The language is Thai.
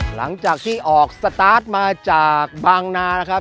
หลังจากที่ออกสตาร์ทมาจากบางนานะครับ